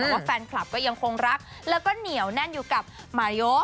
ว่าแฟนคลับก็ยังคงรักแล้วก็เหนียวแน่นอยู่กับมาโย